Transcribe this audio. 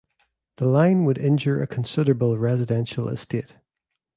The line would injure a considerable residential estate.